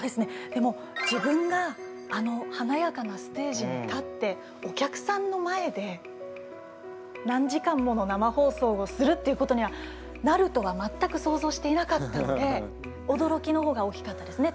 でも自分があのはなやかなステージに立ってお客さんの前で何時間もの生放送をするっていうことにはなるとは全く想像していなかったのでおどろきの方が大きかったですね